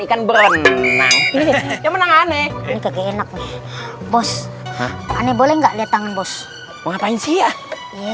ikan berenang yang menang aneh enak bos aneh boleh nggak lihat tangan bos ngapain sih ya